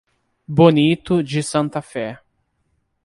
Bonito de Santa Fé